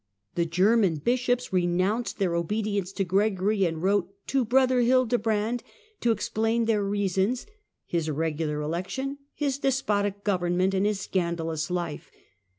The German bishops renounced their obedience to Gregory, and wrote to " brother Hildebrand '' to explain their reasons : his irregular election, his despotic government, and his scandalous life.